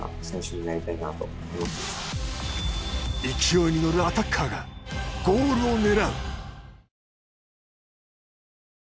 勢いに乗るアタッカーがゴールを狙う。